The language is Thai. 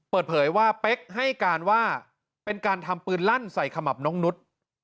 เปิดเผยว่าเป๊กให้การว่าเป็นการทำปืนลั่นใส่ขมับน้องนุษย์